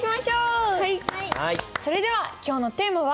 それでは今日のテーマは？